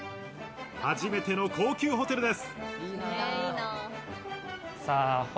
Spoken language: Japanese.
初めての高級ホテルです。